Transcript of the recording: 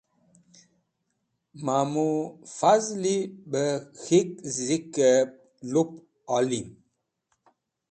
mamu fazli b k̃hik zik'ey lup olim